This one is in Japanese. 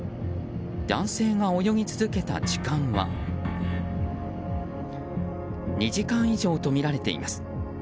男性が泳ぎ続けた時間は２時間以上とみられています。